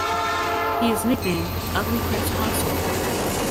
He is nicknamed "Ugly Prince Consort".